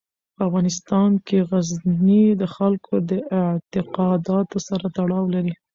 په افغانستان کې غزني د خلکو د اعتقاداتو سره تړاو لري.